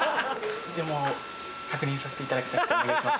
でも確認させていただきたくお願いします。